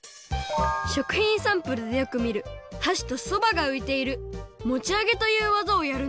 食品サンプルでよくみるはしとそばがういているもちあげというわざをやるんだって。